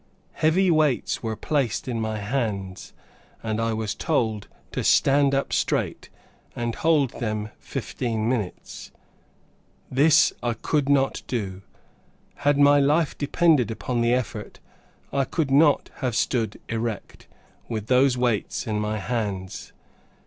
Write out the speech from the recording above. Heavy weights were placed in my hands, and I was told to stand up straight, and hold them fifteen minutes. This I could not do. Had my life depended upon the effort, I could not have stood erect, with those weights in my hands.